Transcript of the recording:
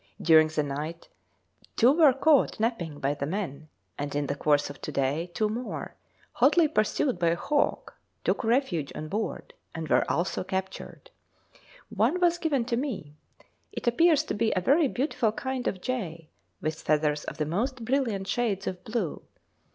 During the night two were caught napping by the men, and in the course of to day two more, hotly pursued by a hawk, took refuge on board and were also captured. One was given to me. It appears to be a very beautiful kind of jay, with feathers of the most brilliant shades of blue.